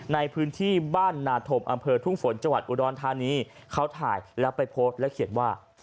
ในพื้นที่บ้านนาธมอำเภอทุ่งฝนจังหวัดอุดรธานีเขาถ่ายแล้วไปโพสต์และเขียนว่า